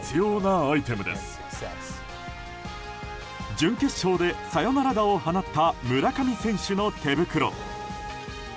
準決勝でサヨナラ打を放った村上選手の手袋。